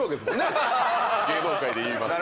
芸能界でいいますと。